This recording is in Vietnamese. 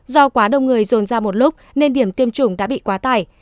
do quá đông người dồn ra một lúc nên điểm tiêm chủng đã bị quá tải